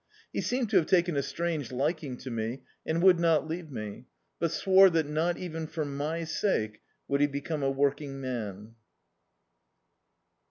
He seemed to have taken a strange liking to me, and would not leave me, but swore that not even for my sake would he become a working man.